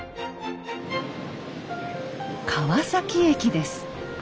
川崎駅です。